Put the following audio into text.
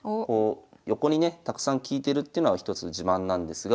横にねたくさん利いてるっていうのは一つの自慢なんですが。